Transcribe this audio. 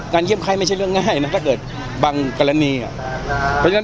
เยี่ยมไข้ไม่ใช่เรื่องง่ายนะถ้าเกิดบางกรณีอ่ะเพราะฉะนั้น